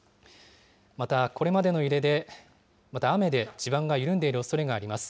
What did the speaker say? またこれまでの揺れで、また雨で、地盤が緩んでいるおそれがあります。